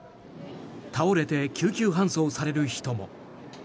倒れて救急搬送される人も。